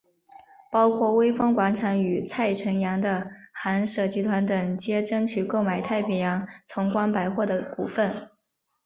包括微风广场与蔡辰洋的寒舍集团等皆争取购买太平洋崇光百货的股份。